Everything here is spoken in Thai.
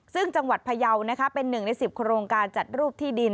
ซึ่งจังหวัดพยาวเป็น๑ใน๑๐โครงการจัดรูปที่ดิน